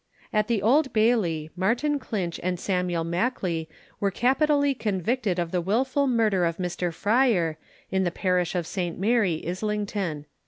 At the Old Bailey, Martin Clinch and Samuel Mackley were capitally convicted of the wilful murder of Mr Fryer, in the parish of St. Mary, Islington.